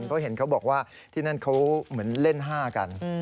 เพราะเห็นเขาบอกว่าที่นั่นเขาเหมือนเล่น๕กัน